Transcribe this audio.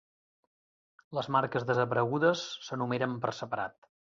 Les marques desaparegudes s'enumeren per separat.